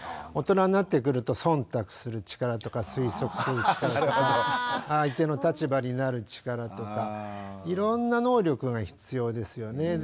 大人になってくると忖度する力とか推測する力とか相手の立場になる力とかいろんな能力が必要ですよね。